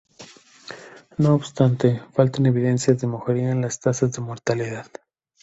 No obstante, faltan evidencias de mejoría en las tasas de mortalidad.